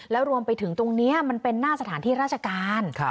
แล้วรวมไปถึงตรงนี้มันเป็นหน้าสถานที่ราชการ